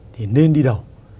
thì nên đi đầu